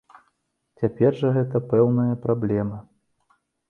Цяпер жа гэта пэўная праблема.